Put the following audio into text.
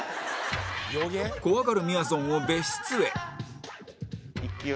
怖がるみやぞんを別室へ